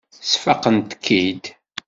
Sfaqent-k-id.